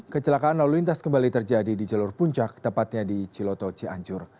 kecelakaan lalu lintas kembali terjadi di jalur puncak tepatnya di ciloto cianjur